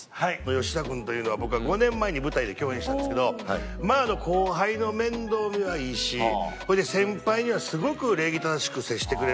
吉田君というのは僕は５年前に舞台で共演したんですけどまあ後輩の面倒見はいいしそれで先輩にはすごく礼儀正しく接してくれるし。